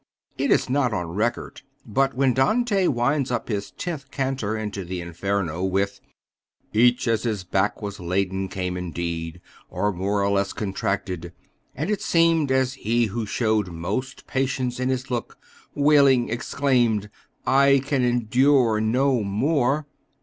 It is not on record, but when Dante winds up his Tenth "Canter" into the Inferno with Each, as his back was laden, came indeed Or more or less contracted; and it seemed As he who showed most patience in his look, Wailing, exclaimed, "I can endure no more!"